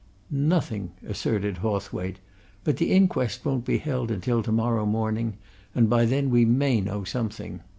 "Nothing!" asserted Hawthwaite. "But the inquest won't be held until to morrow morning, and by then we may know something.